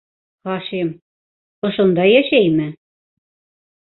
Хашим... ошонда йәшәйме?